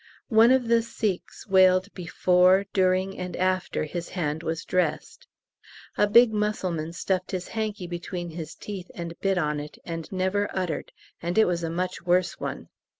One of the Sikhs wailed before, during, and after his hand was dressed. A big Mussulman stuffed his hanky between his teeth and bit on it, and never uttered, and it was a much worse one.